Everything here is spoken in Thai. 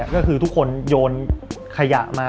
ก็คือทุกคนโยนขยะมา